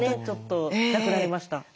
ちょっとなくなりました。